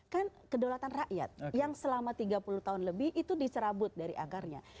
kan kedaulatan rakyat yang selama tiga puluh tahun lebih itu dicerabut dari akarnya